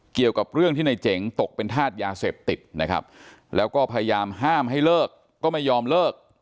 เกี่ยวกับเรื่องที่ในเจ๋งตกเป็นธาตุยาเสพติดนะครับแล้วก็พยายามห้ามให้เลิกก็ไม่ยอมเลิก